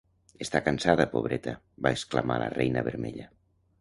"Està cansada, pobreta!", va exclamar la reina vermella.